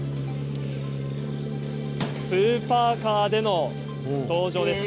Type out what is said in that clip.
スーパーカーでの登場です。